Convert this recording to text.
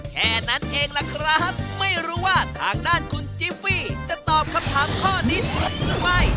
แค่นั้นเองล่ะครับไม่รู้ว่าทางด้านคุณจิฟฟี่จะตอบคำถามข้อนี้หรือไม่